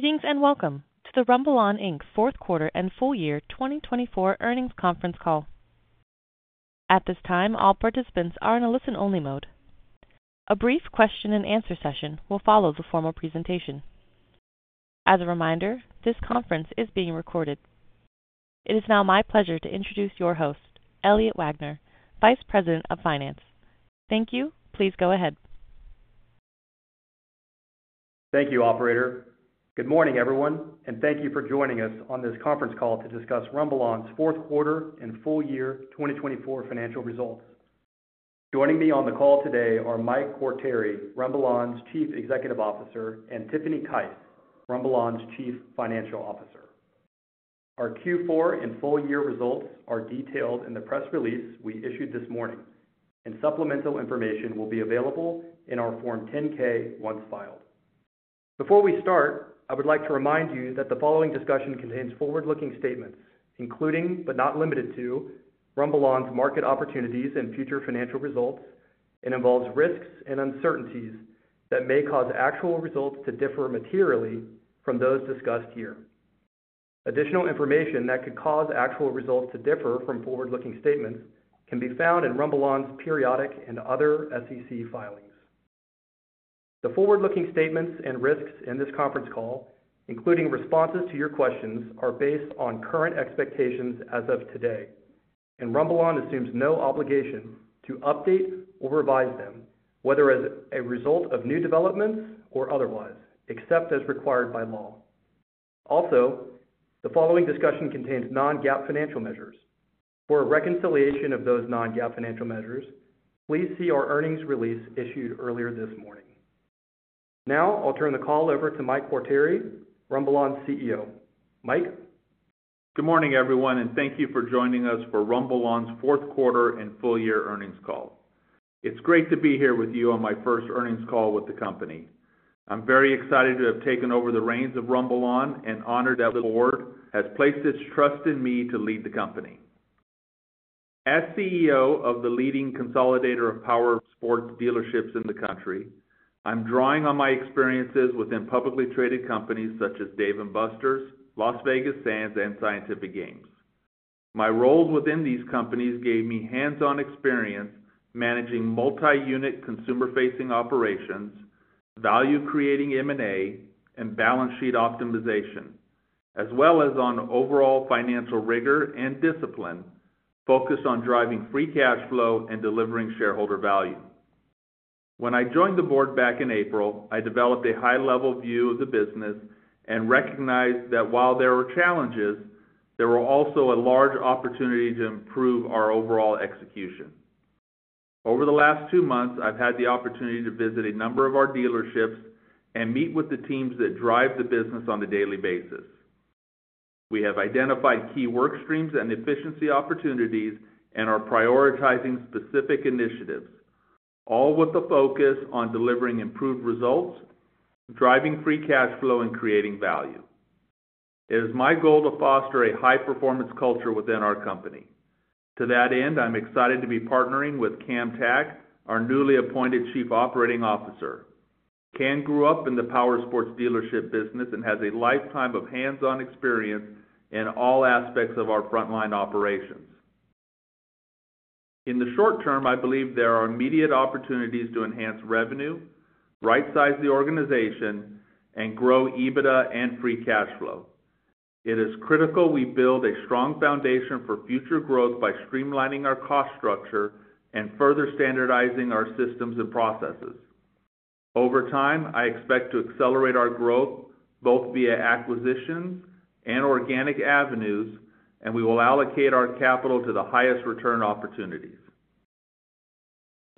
Greetings and Welcome to the RumbleOn Fourth Quarter and Full Year 2024 Earnings Conference Call. At this time, all participants are in a listen-only mode. A brief question-and-answer session will follow the formal presentation. As a reminder, this conference is being recorded. It is now my pleasure to introduce your host, Elliot Wagner, Vice President of Finance. Thank you. Please go ahead. Thank you, Operator. Good morning, everyone, and thank you for joining us on this conference call to discuss RumbleOn fourth quarter and full year 2024 financial results. Joining me on the call today are Mike Quartieri, RumbleOn Chief Executive Officer, and Tiffany Kice, RumbleOn Chief Financial Officer. Our Q4 and full year results are detailed in the press release we issued this morning, and supplemental information will be available in our Form 10-K once filed. Before we start, I would like to remind you that the following discussion contains forward-looking statements, including but not limited to RumbleOn market opportunities and future financial results, and involves risks and uncertainties that may cause actual results to differ materially from those discussed here. Additional information that could cause actual results to differ from forward-looking statements can be found in RumbleOn periodic and other SEC filings. The forward-looking statements and risks in this conference call, including responses to your questions, are based on current expectations as of today, and RumbleOn assumes no obligation to update or revise them, whether as a result of new developments or otherwise, except as required by law. Also, the following discussion contains non-GAAP financial measures. For a reconciliation of those non-GAAP financial measures, please see our earnings release issued earlier this morning. Now, I'll turn the call over to Mike Quartieri, RumbleOn's CEO. Mike. Good morning, everyone, and thank you for joining us for RumbleOn's fourth quarter and full year earnings call. It's great to be here with you on my first earnings call with the company. I'm very excited to have taken over the reins of RumbleOn and honored that the board has placed its trust in me to lead the company. As CEO of the leading consolidator of powersports dealerships in the country, I'm drawing on my experiences within publicly traded companies such as Dave & Buster's, Las Vegas Sands, and Scientific Games. My roles within these companies gave me hands-on experience managing multi-unit consumer-facing operations, value-creating M&A, and balance sheet optimization, as well as on overall financial rigor and discipline, focused on driving free cash flow and delivering shareholder value. When I joined the board back in April, I developed a high-level view of the business and recognized that while there were challenges, there was also a large opportunity to improve our overall execution. Over the last two months, I've had the opportunity to visit a number of our dealerships and meet with the teams that drive the business on a daily basis. We have identified key work streams and efficiency opportunities and are prioritizing specific initiatives, all with the focus on delivering improved results, driving free cash flow, and creating value. It is my goal to foster a high-performance culture within our company. To that end, I'm excited to be partnering with Cam Tkach, our newly appointed Chief Operating Officer. Cam grew up in the powersports dealership business and has a lifetime of hands-on experience in all aspects of our frontline operations. In the short term, I believe there are immediate opportunities to enhance revenue, right-size the organization, and grow EBITDA and free cash flow. It is critical we build a strong foundation for future growth by streamlining our cost structure and further standardizing our systems and processes. Over time, I expect to accelerate our growth both via acquisitions and organic avenues, and we will allocate our capital to the highest return opportunities.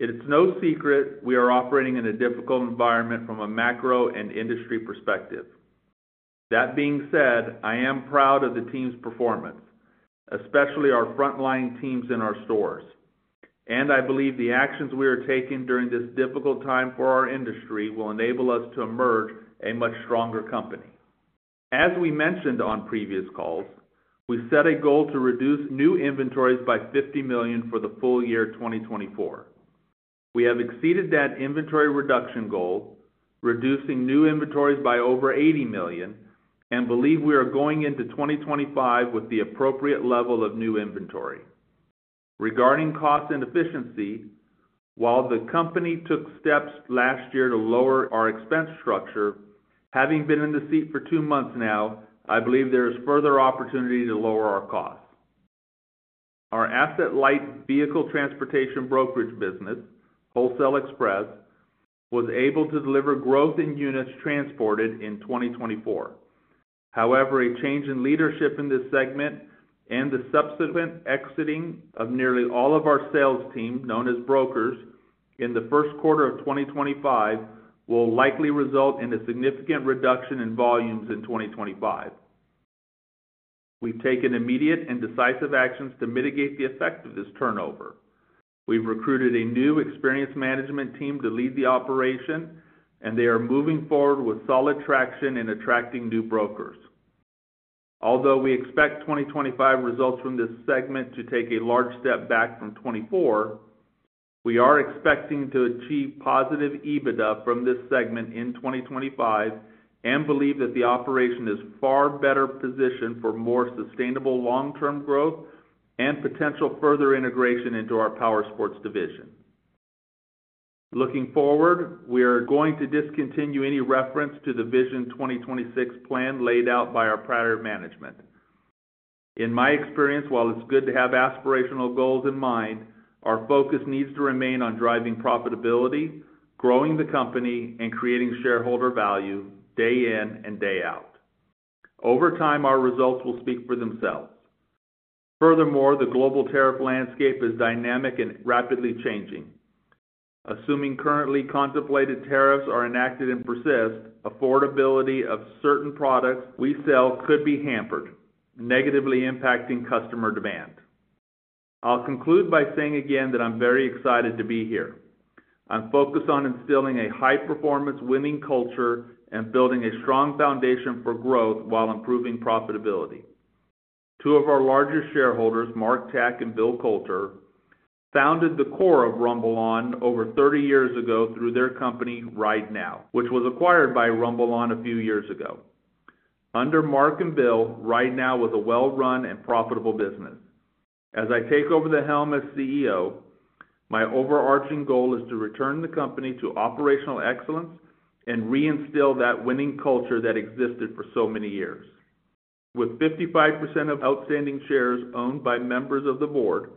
It's no secret we are operating in a difficult environment from a macro and industry perspective. That being said, I am proud of the team's performance, especially our frontline teams in our stores, and I believe the actions we are taking during this difficult time for our industry will enable us to emerge a much stronger company. As we mentioned on previous calls, we set a goal to reduce new inventories by $50 million for the full year 2024. We have exceeded that inventory reduction goal, reducing new inventories by over $80 million, and believe we are going into 2025 with the appropriate level of new inventory. Regarding cost and efficiency, while the company took steps last year to lower our expense structure, having been in the seat for two months now, I believe there is further opportunity to lower our costs. Our asset-light vehicle transportation brokerage business, Wholesale Express, was able to deliver growth in units transported in 2024. However, a change in leadership in this segment and the subsequent exiting of nearly all of our sales team, known as brokers, in the first quarter of 2025 will likely result in a significant reduction in volumes in 2025. We have taken immediate and decisive actions to mitigate the effect of this turnover. We've recruited a new experience management team to lead the operation, and they are moving forward with solid traction in attracting new brokers. Although we expect 2025 results from this segment to take a large step back from 2024, we are expecting to achieve positive EBITDA from this segment in 2025 and believe that the operation is far better positioned for more sustainable long-term growth and potential further integration into our powersports division. Looking forward, we are going to discontinue any reference to the Vision 2026 plan laid out by our prior management. In my experience, while it's good to have aspirational goals in mind, our focus needs to remain on driving profitability, growing the company, and creating shareholder value day in and day out. Over time, our results will speak for themselves. Furthermore, the global tariff landscape is dynamic and rapidly changing. Assuming currently contemplated tariffs are enacted and persist, affordability of certain products we sell could be hampered, negatively impacting customer demand. I'll conclude by saying again that I'm very excited to be here. I'm focused on instilling a high-performance winning culture and building a strong foundation for growth while improving profitability. Two of our largest shareholders, Mark Tkach and Bill Coulter, founded the core of RumbleOn over 30 years ago through their company, RideNow, which was acquired by RumbleOn a few years ago. Under Mark and Bill, RideNow was a well-run and profitable business. As I take over the helm as CEO, my overarching goal is to return the company to operational excellence and reinstill that winning culture that existed for so many years. With 55% of outstanding shares owned by members of the board,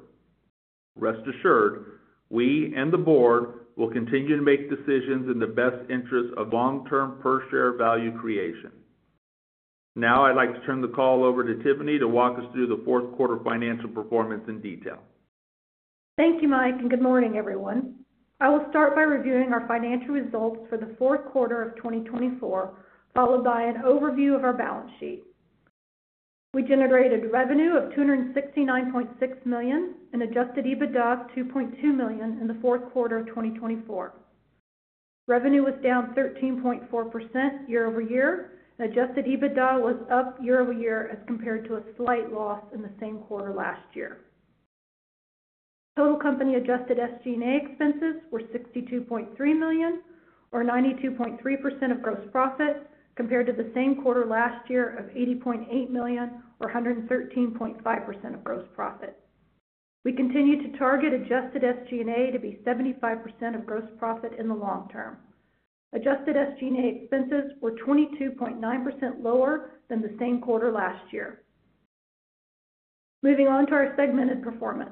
rest assured, we and the board will continue to make decisions in the best interest of long-term per-share value creation. Now, I'd like to turn the call over to Tiffany to walk us through the fourth quarter financial performance in detail. Thank you, Mike, and good morning, everyone. I will start by reviewing our financial results for the fourth quarter of 2024, followed by an overview of our balance sheet. We generated revenue of $269.6 million and adjusted EBITDA of $2.2 million in the fourth quarter of 2024. Revenue was down 13.4% year-over-year, and adjusted EBITDA was up year-over-year as compared to a slight loss in the same quarter last year. Total company adjusted SG&A expenses were $62.3 million, or 92.3% of gross profit, compared to the same quarter last year of $80.8 million, or 113.5% of gross profit. We continue to target adjusted SG&A to be 75% of gross profit in the long term. Adjusted SG&A expenses were 22.9% lower than the same quarter last year. Moving on to our segmented performance,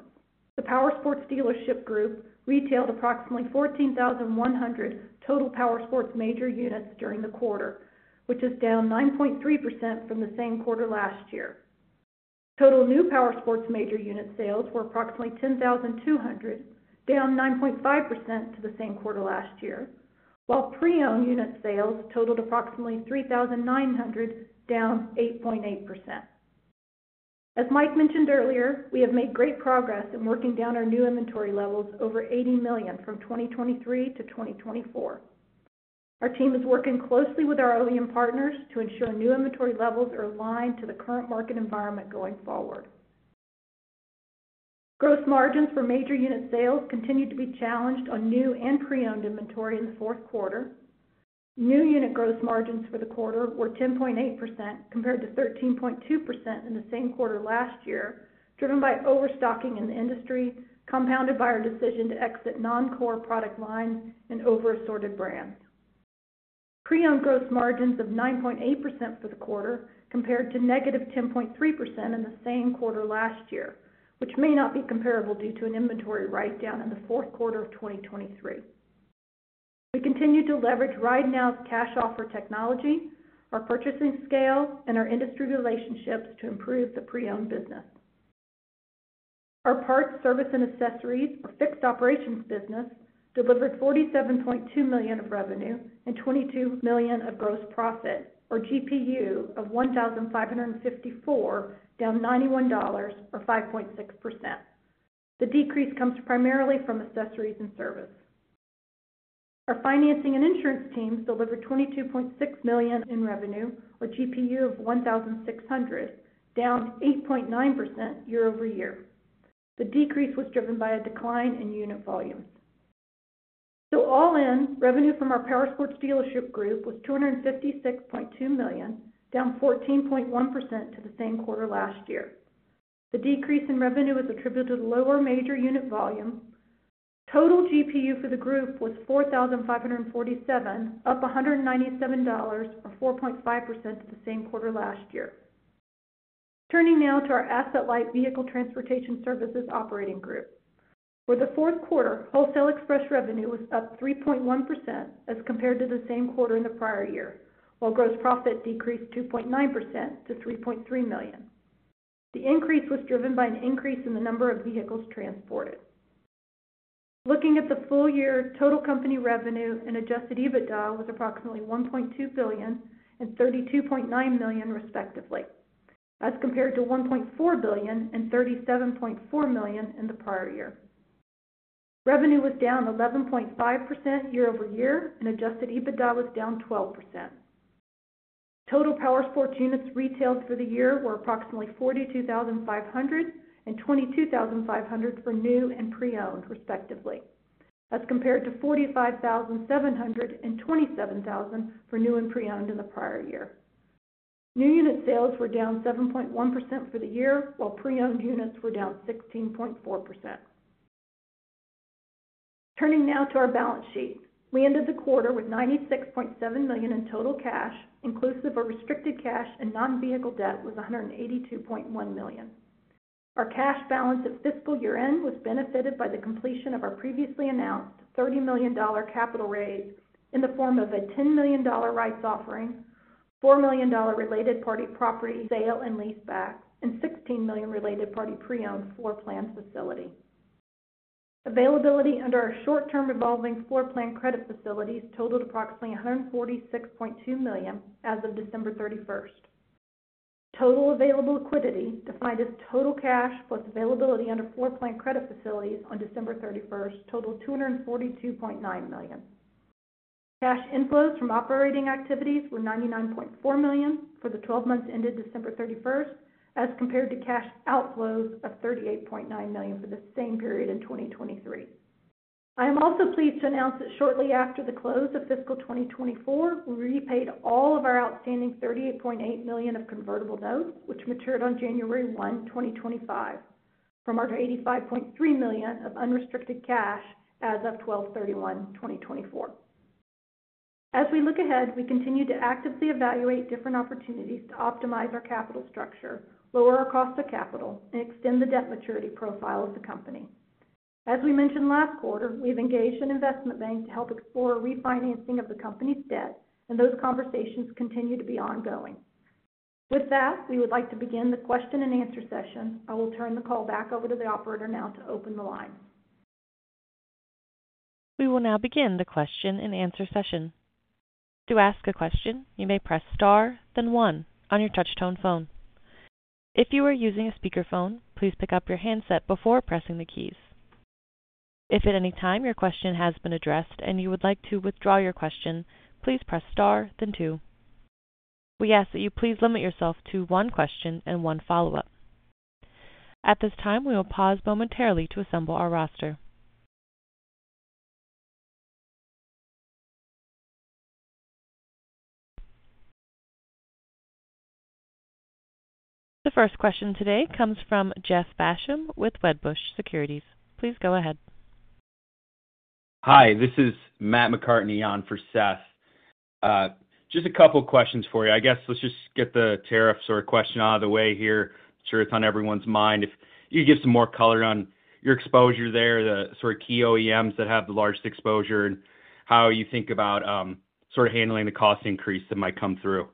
the powersports dealership group retailed approximately 14,100 total powersports major units during the quarter, which is down 9.3% from the same quarter last year. Total new powersports major unit sales were approximately 10,200, down 9.5% from the same quarter last year, while pre-owned unit sales totaled approximately 3,900, down 8.8%. As Mike mentioned earlier, we have made great progress in working down our new inventory levels over $80 million from 2023 to 2024. Our team is working closely with our OEM partners to ensure new inventory levels are aligned to the current market environment going forward. Gross margins for major unit sales continued to be challenged on new and pre-owned inventory in the fourth quarter. New unit gross margins for the quarter were 10.8% compared to 13.2% in the same quarter last year, driven by overstocking in the industry, compounded by our decision to exit non-core product lines and over-assorted brands. Pre-owned gross margins of 9.8% for the quarter compared to -10.3% in the same quarter last year, which may not be comparable due to an inventory write-down in the fourth quarter of 2023. We continue to leverage RideNow's cash offer technology, our purchasing scale, and our industry relationships to improve the pre-owned business. Our parts, service, and accessories, our fixed operations business, delivered $47.2 million of revenue and $22 million of gross profit, or GPU, of $1,554, down $91, or 5.6%. The decrease comes primarily from accessories and service. Our financing and insurance teams delivered $22.6 million in revenue, or GPU, of $1,600, down 8.9% year-over-year. The decrease was driven by a decline in unit volumes. All in, revenue from our powersports dealership group was $256.2 million, down 14.1% to the same quarter last year. The decrease in revenue is attributed to lower major unit volume. Total GPU for the group was $4,547, up $197, or 4.5% to the same quarter last year. Turning now to our asset-light vehicle transportation services operating group. For the fourth quarter, Wholesale Express revenue was up 3.1% as compared to the same quarter in the prior year, while gross profit decreased 2.9% to $3.3 million. The increase was driven by an increase in the number of vehicles transported. Looking at the full year, total company revenue and adjusted EBITDA was approximately $1.2 billion and $32.9 million, respectively, as compared to $1.4 billion and $37.4 million in the prior year. Revenue was down 11.5% year-over-year, and adjusted EBITDA was down 12%. Total powersports units retailed for the year were approximately 42,500 and 22,500 for new and pre-owned, respectively, as compared to 45,700 and 27,000 for new and pre-owned in the prior year. New unit sales were down 7.1% for the year, while pre-owned units were down 16.4%. Turning now to our balance sheet, we ended the quarter with $96.7 million in total cash, inclusive of restricted cash, and non-vehicle debt was $182.1 million. Our cash balance at fiscal year-end was benefited by the completion of our previously announced $30 million capital raise in the form of a $10 million rights offering, $4 million related party property sale and lease back, and $16 million related party pre-owned floor plan facility. Availability under our short-term revolving floor plan credit facilities totaled approximately $146.2 million as of December 31st. Total available liquidity, defined as total cash plus availability under floor plan credit facilities on December 31st, totaled $242.9 million. Cash inflows from operating activities were $99.4 million for the 12 months ended December 31st, as compared to cash outflows of $38.9 million for the same period in 2023. I am also pleased to announce that shortly after the close of fiscal 2024, we repaid all of our outstanding $38.8 million of convertible notes, which matured on January 1, 2025, from our $85.3 million of unrestricted cash as of December 31, 2024. As we look ahead, we continue to actively evaluate different opportunities to optimize our capital structure, lower our cost of capital, and extend the debt maturity profile of the company. As we mentioned last quarter, we have engaged an investment bank to help explore refinancing of the company's debt, and those conversations continue to be ongoing. With that, we would like to begin the question and answer session. I will turn the call back over to the operator now to open the line. We will now begin the question and answer session. To ask a question, you may press star, then one, on your touch-tone phone. If you are using a speakerphone, please pick up your handset before pressing the keys. If at any time your question has been addressed and you would like to withdraw your question, please press star, then two. We ask that you please limit yourself to one question and one follow-up. At this time, we will pause momentarily to assemble our Roster. The first question today comes from Seth Basham with Wedbush Securities. Please go ahead. Hi, this is Matt McCartney on for Seth. Just a couple of questions for you. I guess let's just get the tariffs sort of question out of the way here. I'm sure it's on everyone's mind. If you could give some more color on your exposure there, the sort of key OEMs that have the largest exposure, and how you think about sort of handling the cost increase that might come through.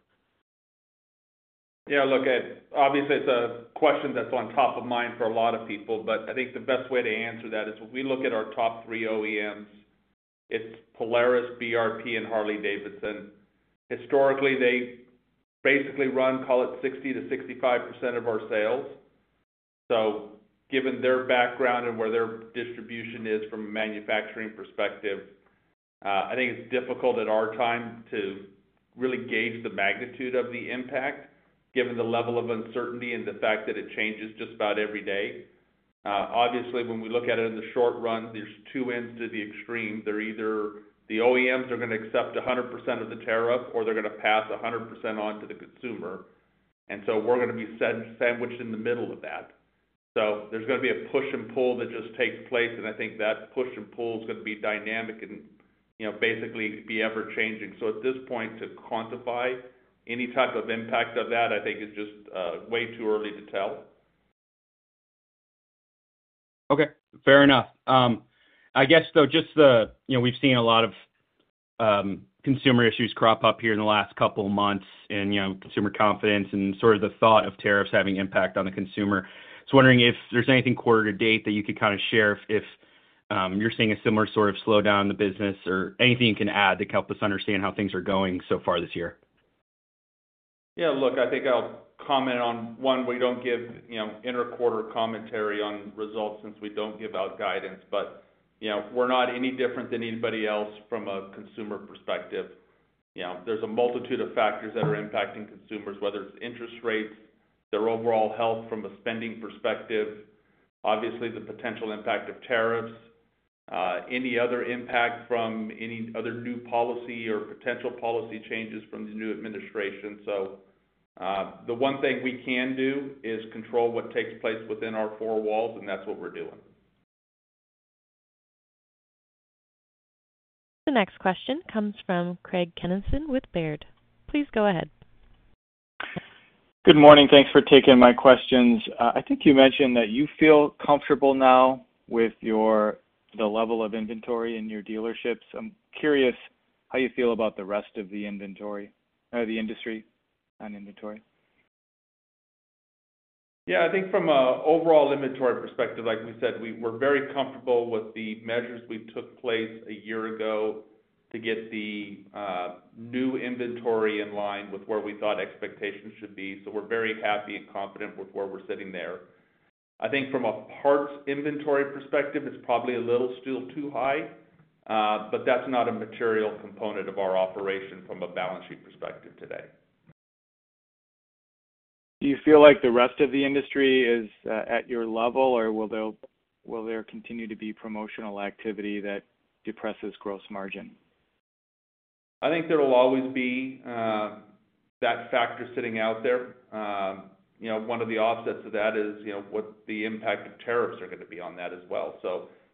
Yeah, look, obviously, it's a question that's on top of mind for a lot of people, but I think the best way to answer that is if we look at our top three OEMs, it's Polaris, BRP, and Harley-Davidson. Historically, they basically run, call it 60-65% of our sales. Given their background and where their distribution is from a manufacturing perspective, I think it's difficult at our time to really gauge the magnitude of the impact, given the level of uncertainty and the fact that it changes just about every day. Obviously, when we look at it in the short run, there are two ends to the extreme. The OEMs are either going to accept 100% of the tariff, or they're going to pass 100% on to the consumer. We're going to be sandwiched in the middle of that. There is going to be a push and pull that just takes place, and I think that push and pull is going to be dynamic and basically be ever-changing. At this point, to quantify any type of impact of that, I think it is just way too early to tell. Okay. Fair enough. I guess, though, just the we've seen a lot of consumer issues crop up here in the last couple of months and consumer confidence and sort of the thought of tariffs having impact on the consumer. I was wondering if there's anything quarter-to-date that you could kind of share if you're seeing a similar sort of slowdown in the business or anything you can add that can help us understand how things are going so far this year. Yeah, look, I think I'll comment on one, we don't give interquarter commentary on results since we don't give out guidance, but we're not any different than anybody else from a consumer perspective. There's a multitude of factors that are impacting consumers, whether it's interest rates, their overall health from a spending perspective, obviously the potential impact of tariffs, any other impact from any other new policy or potential policy changes from the new administration. The one thing we can do is control what takes place within our four walls, and that's what we're doing. The next question comes from Craig Kennison with Baird. Please go ahead. Good morning. Thanks for taking my questions. I think you mentioned that you feel comfortable now with the level of inventory in your dealerships. I'm curious how you feel about the rest of the inventory or the industry on inventory. Yeah, I think from an overall inventory perspective, like we said, we're very comfortable with the measures we took place a year ago to get the new inventory in line with where we thought expectations should be. We are very happy and confident with where we're sitting there. I think from a parts inventory perspective, it's probably a little still too high, but that's not a material component of our operation from a balance sheet perspective today. Do you feel like the rest of the industry is at your level, or will there continue to be promotional activity that depresses gross margin? I think there will always be that factor sitting out there. One of the offsets of that is what the impact of tariffs are going to be on that as well.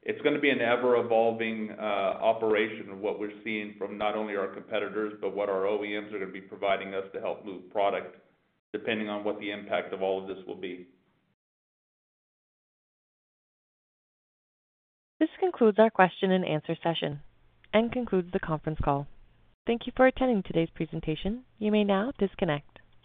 It is going to be an ever-evolving operation of what we're seeing from not only our competitors, but what our OEMs are going to be providing us to help move product, depending on what the impact of all of this will be. This concludes our question and answer session and concludes the conference call. Thank you for attending today's presentation. You may now disconnect.